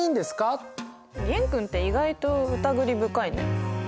玄君って意外とうたぐり深いね。